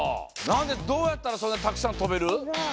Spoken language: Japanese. なんでどうやったらそんなたくさんとべる？